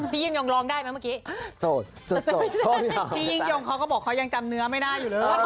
พี่ยังร้องได้ไหมเมื่อกี้